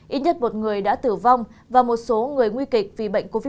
ít nhất một người đã tử vong và một số người nguy kịch vì bệnh covid một mươi chín